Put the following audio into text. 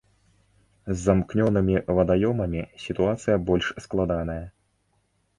З замкнёнымі вадаёмамі сітуацыя больш складаная.